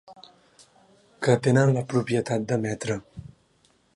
Que tenen la propietat d'emetre.